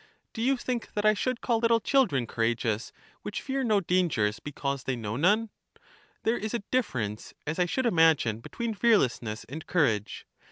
Do you think that I should call little children courageous, which fear no dangers be cause they know none? There is a difference, as I should imagine, between fearlessness and courage.